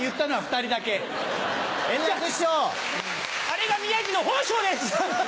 あれが宮治の本性です！